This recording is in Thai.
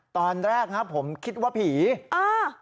ตอนแรกครับผมคิดว่าผีเออ